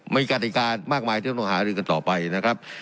มีกติกามากมายที่ต้องหารือกันต่อไปนะครับ